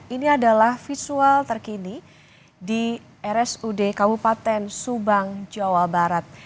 ini adalah visual terkini di rsud kabupaten subang jawa barat